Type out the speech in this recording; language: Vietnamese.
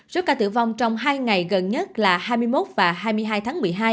số ca tử vong trong hai ngày gần nhất là hai mươi một và hai mươi hai tháng một mươi hai